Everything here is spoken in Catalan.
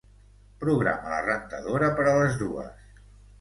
Programa la rentadora per a les dues.